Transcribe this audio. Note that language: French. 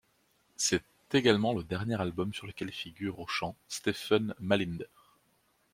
C'est également le dernier album sur lequel figure au chant Stephen Mallinder.